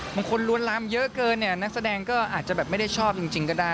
มวลลำเยอะเกินเนี่ยนักแสดงก็อาจจะแบบไม่ได้ชอบจริงก็ได้